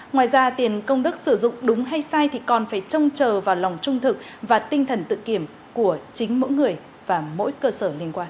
ngoài ra tiền công đức sử dụng đúng hay sai thì còn phải trông chờ vào lòng trung thực và tinh thần tự kiểm của chính mỗi người và mỗi cơ sở liên quan